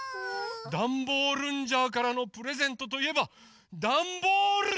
ダンボールンジャーからのプレゼントといえばダンボールジャ！